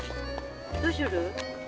どうする？